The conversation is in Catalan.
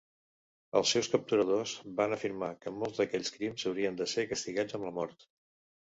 Els seus capturadors van afirmar que molts d'aquells crims haurien de ser castigats amb la mort.